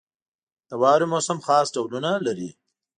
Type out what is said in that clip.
• د واورې موسم خاص ډولونه لري.